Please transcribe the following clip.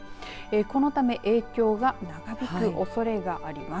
このため影響が長引くおそれがあります。